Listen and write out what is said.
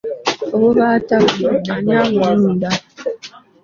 Obubaata buno ani abulunda?